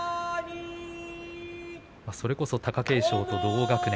それこそ貴景勝と同学年